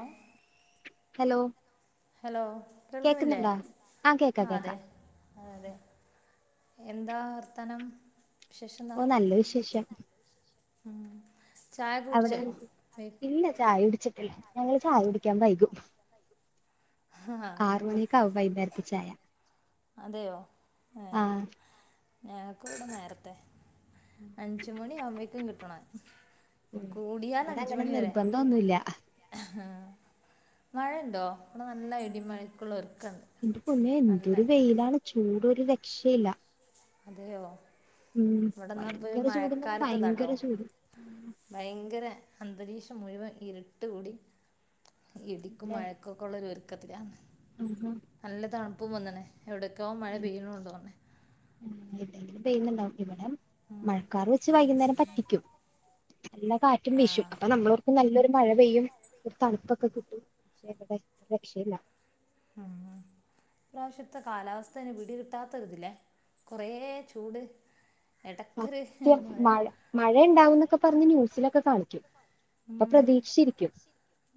ഏഹ് hello hello കേൽക്ക്ണില്ലേ കേക്കുന്നുണ്ടോ ആ കേക്കാം ആഹ് അതെ കേക്കാം അതെ എന്താ വർത്താനം വിശേഷം എന്താ ഓ നല്ല വിശേഷം ഉം അവിടെ ഇല്ല ചായ കുടിച്ചിട്ടില്ല ഞങ്ങള് ചായ കുടിക്കാൻ വൈകും ആ ആറ് മണിയൊക്കെ ആവും വൈന്നേരത്തെ ച്ചായ അതെയോ ഏഹ് ഞങ്ങക്ക് വിടെ നേരത്തെ അഞ്ച് മണി ആവുമ്പോഴേക്കും കിട്ടണം ഉം കൂടിയാൽ ഇവിടെ അഞ്ച് അങ്ങനെ മണി വരെ നിർബന്ധമൊന്നുമില്ല മഴണ്ടോ ഇവിടെ നല്ല ഇടിമഴക്കുള്ള ഒരുക്കണ്ട് എന്റെ പൊന്നെ എന്തൊരു വെയിലാണ് ചൂടൊരു രക്ഷയില്ല അതെയോ ഉം ഇവിടെന്നാ പ്പൊ ഭയങ്കര ചൂട്ന്ന് പറഞ്ഞാ മഴക്കാലത്തെതാട്ടോ ഭയങ്കര ചൂട് ഭയങ്കര അന്തരീക്ഷം മുഴുവൻ ഇരുട്ട് കൂടി ഇടിക്കും അല്ലേ മഴക്കൊക്കെ ഉള്ളരു ഒരുക്കത്തിലാ ആഹാ നല്ല തണുപ്പും വന്ന്ണ്‌ എവിടക്കോ മഴ പെയ്യുണൂണ്ടോന്ന്ണ് എവിടെങ്കിലും പെയ്യുന്നുണ്ടാവും ഇവടം ഉം. മഴക്കാർ വെച്ച് വൈകുന്നേരം പറ്റിക്കും നല്ല കാറ്റും ആ വീശും അപ്പൊ നമ്മൾ നല്ലൊരു മഴ പെയ്യും ഒരു തണുപ്പൊക്കെ കിട്ടും പക്ഷെ ഇവിടെ രക്ഷയില്ല ആഹ് ആഹ് ഇ പ്രാവശ്യത്തെ കാലാവസ്ഥേന് വിടി കിട്ടാത്തരുതില്ലേ കുറേ ചൂട് സത്യം മഴ മഴയ ണ്ടാവുന്നൊക്കെ പറഞ്ഞ് ന്യൂസിലൊക്കെ കാണിക്കും അപ്പൊ ഉം. പ്രതീക്ഷിച്ചിരിക്കും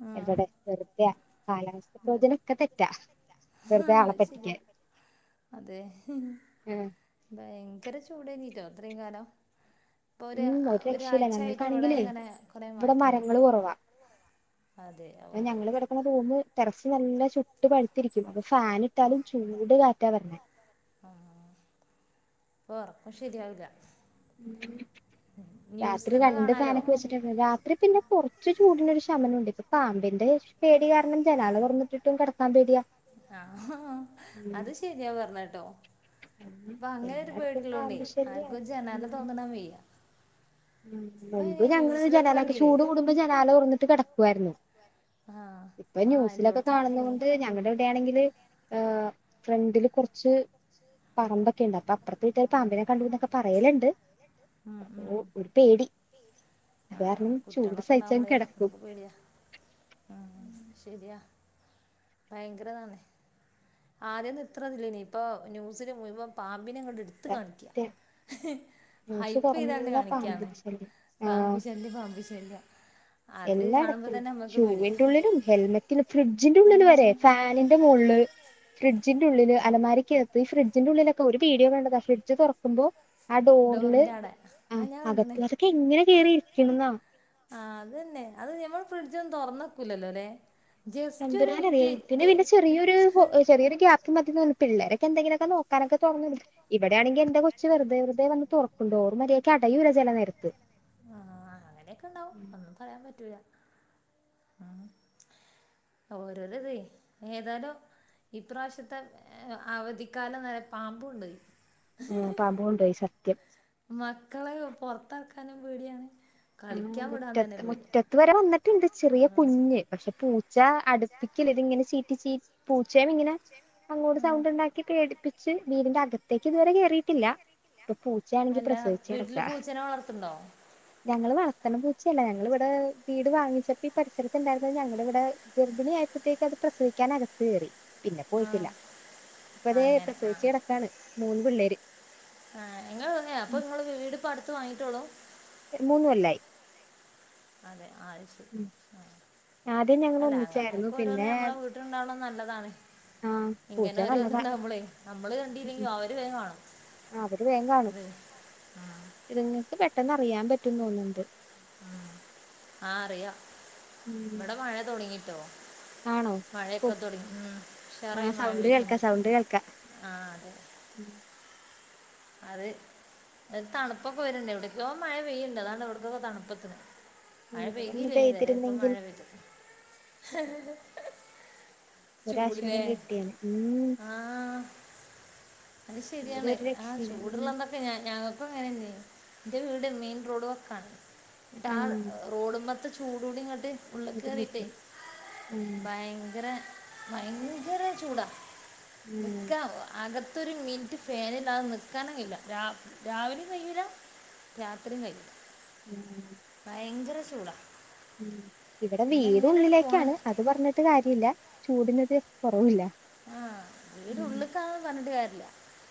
ആ എവിടെ വെറുതെ കാലാവസ്ഥ പ്രവചനൊക്കെ തെറ്റാ ആ വെറുതെ ആളെ അത് ശരിയാ പറ്റിക്കാൻ അതെ ആഹ്. ഭയങ്കര ചൂടേഞ്ഞീട്ടോ ഇത്രേം കാലം ഇപ്പോൾ ഉം ഒരു രക്ഷയില്ല ഒരാഴ്ച ആയിട്ട് ഇവിടെ ഞങ്ങൾക്കാണെങ്കിലേ ഇങ്ങനെ കുറേ ഇവിടെ മരങ്ങള് കൊറവാ അതെെ അഹ് അഹ് ഞങ്ങള് കെടക്കണ റൂമ് ടെറസ് നല്ല ചുട്ട് പഴുത്തിരിക്കും അപ്പൊ ഫാന് ഇട്ടാലും ചൂട് കാറ്റാ വരണേ ആഹ് പൊറക്കാം ശരിയാവില്ല ഉം രാത്രി ന്യൂസിലൊക്കെ രണ്ട്‌ കാണാലോ ഫാനൊക്കെ വെച്ച് രാത്രി പിന്നെ കുറച്ച് ചൂടിനൊരു ശമനം ണ്ട് ഇപ്പൊ പാമ്പിന്റെ പേടി കാരണം ജനാല തുറന്നിട്ടിട്ടും കിടക്കാൻ കെടക്കാൻ പേടിയാ ആഹ് ഹാ അത് ശരിയാ പറഞ്ഞട്ടോ ഉം പ്പൊ അങ്ങനൊരു ഒരു എല്ലായിടത്തും പേടിള്ളോണ്ടേ പാമ്പ് ശല്യാണ് ആർക്കും ജനാല ഉം തോർന്നീടാന് വെയ്യ ഉം മുൻപ് ഞങ്ങൾ ന്യൂസിലൊക്കെ ജനാലക്കെ കണ്ടില്ലേ ചൂട് കൂടുമ്പോ ജനാല തൊർന്നിട്ട് കെടക്കുവായിരുന്നു ആഹ് ഇപ്പൊ ആഹ് ന്യൂസിലൊക്കെ എല്ലോടത്തും കാണുന്ന അങ്ങനെന്നെ കൊണ്ട് ഞങ്ങടെട് വെണെങ്കിൽ ഫ്രണ്ടില് കുറച്ച് പറമ്പൊക്കെ ണ്ട് അപ്പൊ അപ്പറത്തെ വീട്ടര് പാമ്പിനെ കണ്ടു നൊക്കെ പറയലുണ്ട് ഉം ഉം അപ്പൊ ഒരു പേടി അത് ആഹ് കാരണം ചൂട് കുട്ടികളൊക്കെ സഹിച്ചങ്ങ് ഉണ്ടാവുമ്പളേ കെടക്കും നമുക്ക് പേടിയാ ശരിയാ ഭയങ്കര താണ് ആദ്യന്നും ഇത്ര ഇത് ഇല്യയ്നി ഇപ്പോ ന്യൂസിൽമുഴുവൻ പാമ്പിനെ ങ്ങട്ട് ഇട്ത്ത് കാണിക്ക സത്യം ന്യൂസ് ഹൈപ്പ് ചെയ്താണ്ട് തുറന്നാ കാണിക്കാണ് പാമ്പിന്റെ ശല്യം ആഹ് പാമ്പ് ശല്യം പാമ്പ് ശല്യം അത് കാണുമ്പോ എല്ലായിടത്തും തന്നെ നമ്മക്ക് പേടിയാ ഷൂവി്ന്റെ ഉള്ളിലും ഹെൽമെറ്റ് പിന്നെ ഫ്രിഡ്ജിന്റെ ഉള്ളില് വരെ ആഹ് ഫാനിന്റെ മോള്ല് ഫ്രിഡ്ജിന്റുള്ളില് ആ അലമാരക്കകത്ത് ഈ ഫ്രിഡ്ജിന്റെ ഉള്ളിലൊക്കെ ഒരു വീഡിയോ കണ്ടതാ ഫ്രിഡ്ജ് തൊറ്ക്കുമ്പോ ആഹ് ഡോറില് ഡോറിന്റെ ആടെ ആ ആഹ് ഞാൻ കണ്ടണ് അകത്ത് അതൊക്കെ എങ്ങനെ കേറിയിരിക്കണെന്നാ ആഹ് അതന്നെ അത് ഞമ്മൾ ഫ്രിഡ്ജൊന്നും തുറന്നക്കൂല്ലല്ലോല്ലെ തമ്പുരനാറിയ ഇതിന് പിന്നെ ചെറിയൊരു ഹോ ചെറിയൊരു ഗ്യാപ്പ് മതി തോന്ന്ണ് പിള്ളേരൊക്ക എന്തെങ്കിലൊക്കെ നോക്കാനക്കൊ തൊറന്നിടും ഇവിടെയാണെങ്കി എന്റെ കൊച്ച് വെറുതെ വെറതെ വന്ന് തുറന്നിടും ഡോറ് മര്യാക്ക് അടയൂല ചെലനേരത്ത് ആഹ് അങ്ങനെക്കെ ണ്ടാവും ഒന്നും പറയാൻ പറ്റൂല്ല ഉം ഓരോര ഇതെയ് ഏതാലും ഇപ്രാവശ്യത്തെ അവധിക്കാലം ഏഹ് പാമ്പ് കൊണ്ടോയി ഉം പാമ്പ് കൊണ്ടോയി സത്യം മക്കളെ പൊറത്തറ്ക്കാനും പേടിയാണ് അങ്ങനെ കളിക്കാൻ വിടാൻ തന്നെ മുറ്റത്ത് പേടിയാ മുറ്റത്ത് വരെ വന്നിട്ടുണ്ട് ചെറിയ കുഞ്ഞ് പക്ഷെ പൂച്ച അടുപ്പിക്കില ഇത് ഇങ്ങനെ ചീറ്റി ചീറ്റി പൂച്ചേനെ ഇങ്ങനെ അങ്ങോട്ട് ആ സൗണ്ട് ണ്ടാക്കി പേടിപ്പിച്ച് വീടിന്റെ അകത്ത് അകത്തേക്ക് ഇതുവരെ കേറിയിട്ടില്ല ഇപ്പൊ പൂച്ചയാണെങ്കി അല്ല പ്രസവിച്ചടക്ക വീട്ടില് പൂച്ചനെ വളർത്തുണ്ടോ? ഞങ്ങള് വളർത്ത്ണ പൂച്ചയല്ല ഞങ്ങൾ ഇവിടെ വീട് വാങ്ങിച്ചപ്പോ ഈ പരിസരത്ത്ണ്ടായിരുന്ന ഞങ്ങള് വ്ടെ ഗർഭിണി ആയപ്പോഴത്തേക്ക് അത് പ്രസവിക്കാൻ അകത്ത്കേറി പിന്നെ ആ പോയിട്ടില്ല ഇപ്പ തേ അങ്ങനെ പ്രസവിച്ച് ആ കെടക്കാണ് മൂന്ന് പിള്ളേര് ഏഹ് ഇങ്ങൾ എവിടെ ഇങ്ങള് വീട്പ്പൊ അടുത്ത് വാങ്ങിട്ടൊളളു മൂന്ന് കൊല്ലായി അതെ ആഹ് ശെരി ആദ്യം ഞങ്ങൾ അല്ല ഒന്നിച്ചായിരുന്നു അങ്ങത്തൊക്കെ ഓരോന്ന് പിന്നെ നമ്മളെവീട്ട്ലും വീട്ട് ഇണ്ടാവ്ണത് നല്ലതാണ് ആഹ് ഇങ്ങനെ പൂച്ച നല്ലതാ ഒരോന്ന്ണ്ടാവുമ്പളെയ് നമ്മള് കണ്ടില്ലെങ്കിലും അവര് വേം കാണും. ഏഹ് ആഹ് ഇത്ങ്ങക്ക് പെട്ടെന്ന് അറിയാൻ പറ്റും തോന്ന്ണ്ട് ആഹ് അറിയ ഇവിടെ മഴ തൊടങ്ങിട്ടോ ആണോ മഴയൊക്കെ ഓഹ് തുടങ്ങി ഉം ഉശാറായി ആഹ് മഴ സൗണ്ട് പെയയ്യ്ണ്ട് ആഹ് അതെ ഉം അത് അത് തണുപ്പൊക്കെ വരുണ്ട് എവിടക്കോ മഴ പെയ്യ്ണ്ട് അതാണ് ഇവ്ടക്കൊക്കെ തണുപ്പെത്ത്ണ് മഴ ഇവിടെ ഒന്ന് പെയ്തിയില്ലേ തന്നെ ഇന്നാ പെയ്തിരുന്നെങ്കിൽ മഴ പെയ്തു ഒരാശ്വാസം കിട്ടിയാല് ഉം ആഹ് അത് ചൂട് ശരിയാണ് ഒരു രക്ഷയില്ല ഉം അതെ ഞാ ഞങ്ങക്കും അങ്ങനെണ് എന്റെ വീട് മെയിൻ റോഡ് വക്കാണ് എന്നിട്ട് ആ ആഹ് റോടുമ്മൽത്തെ ചൂടോണ്ട് ഇങ്ങട്ട് ഉള്ളിക്ക് ഇതും കേറിട്ടേ കിട്ടും ഉം ഭയങ്കര ഭയങ്കര ചൂടാ ഉം നിക്കാ അകത്തൊരുമിനിറ്റ് ഫാന് ല്ല നിൽക്കാനുംകയൂല്ല രാവിലെയും കയൂല രാത്രിയും കയൂല ഉം ഭയങ്കര ചൂടാ ഇവിടെ പിന്നെ എങ്ങനെയാണ് പോണ് വീടുള്ളിലേക്കാണ് അത് പറഞ്ഞിട്ട് കാര്യല്ല ചൂടിനൊരു കൊറവുല്ല ആഹ് വീട് ഉള്ളിക്കാന്ന് പറഞ്ഞിട്ട് കാര്യല്ല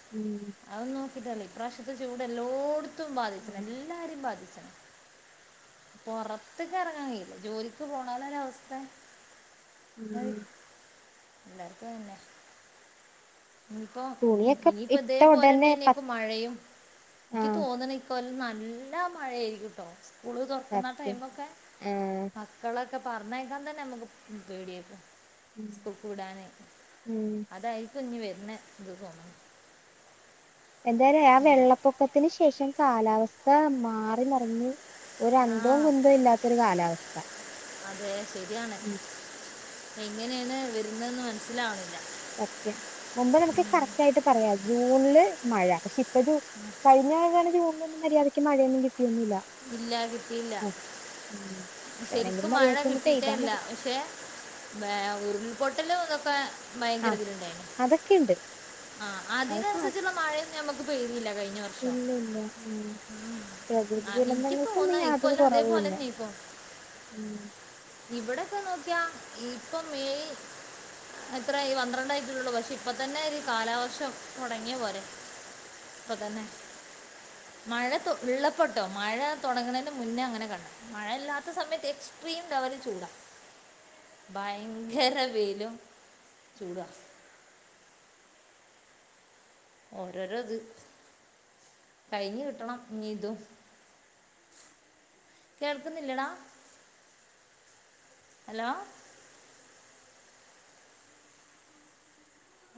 ഉം അതൊന്നും നോക്കിട്ട് കാര്യല ഇപ്രാവശ്യത്തെ ചൂട് എല്ലോടത്തും ഉം ബാധിച്ചണ്എല്ലാരെയും ബാധിച്ചണ് പൊറത്തേക്ക് ഇറങ്ങാൻ കയുല ജോലിക്ക് പോണാലെ ഒരു അവസ്ഥ ഉം അഹ് എല്ലാർക്കും അതന്നെ ഇഞ്പ്പോ തുണിയൊക്കെ ഇനിയിപ്പോ ഇട്ട ഉടനെ പ ഇതേപോലെന്നേർകും മഴയും എനിക്ക് ആഹ് തോന്നണ് ഈ ‍കൊല്ലം നല്ല മഴ ആയിരിക്കുംട്ടോ സ്കൂള് തുറക്കുന്ന ആ സത്യം ടൈമൊക്കെ ആഹ് മക്കളൊക്കെ പറഞ്ഞേക്കാൻ തന്നെ നമുക്ക് പേടിയാക്കും ഉം സ്കൂൾക് വിടാന് ഉം അതായിരിക്കും ഇഞ്ഞ് വരുന്ന ഇത് തോന്നുണ് എന്തായാലും ആ വെള്ളപ്പൊക്കത്തിന് ശേഷം കാലാവസ്ഥ മാറി മറിഞ്ഞ് ഒരു അന്തോ ആ കുന്തോ ഇല്ലാത്തൊരു കാലാവസ്ഥ അതെ ശരിയാണ് ഉം എങ്ങനെയാണ് വരുന്നെതെന്ന് മനസ്സിലാവുന്നില്ല സത്യം മുമ്പ് നമുക്ക് കറക്റ്റ് ആയിട്ട് പറയാം ജൂണില് മഴ പക്ഷെ ഇപ്പൊ ജൂ [unintelligible] കഴിഞ്ഞ മഴകാലം ജൂണിലൊന്നും മര്യാദയ്ക്ക് മഴയൊന്നും കിട്ടിയൊന്നുല്ല ഇല്ല കിട്ടിയില്ല ആഹ് ഉം ശരിക്കും ഇത്തവണെങ്കിലും മഴ മര്യാദക്ക് ഒന്ന് പെയ്താ കിട്ടീട്ടേല്ല മതി പക്ഷെ ഉരുൾപൊട്ടലും ഇതൊക്കെ ഭയങ്കര ആഹ് ഇതിലുണ്ടായിന് അതൊക്കെയുണ്ട് ആഹ് അതൊക്കെ ആവശ്യ അതിനനുസരിച്ചുള്ള മഴയൊന്നും ഞമ്മക്ക് പെയ്തില്ല കഴിഞ്ഞ വർഷം ഇല്ല ഇല്ല ഉം പ്രകൃതി ആഹ് എനിക്ക് തോന്നാ ദുരന്തങ്ങൾക്കൊന്നും യാതൊരു ഇകൊല്ലും കുറവുമില്ല അതേപോലെന്നെക്കും ഉം ഇവിടൊക്കെ നോക്കിയാ ഇപ്പൊ മെയ് എത്രായി പന്ത്രണ്ടായിട്ടലെള്ളൂ പക്ഷെ ഇപ്പ തന്നെ ഈ കാലവർഷം തുടങ്ങിയ പോലെ ഇപ്പതന്നെ മഴ തു ഉള്ളപ്പെട്ടോ മഴ തുടങ്ങുന്നതിന്റെ മുന്നേ അങ്ങനെ കണ്ടു മഴല്ലാത്ത സമയത്ത് എക്സ്ട്രീം ലെവല് ചൂട ഭയങ്കര വെയിലും ചൂട ഓരോരോ ഇത് കഴിഞ്ഞ് കിട്ടണം ഇനി ഇതും കേൾക്കുന്നില്ലടാ ഹലോ